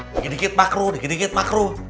dikit dikit makruh dikit dikit makruh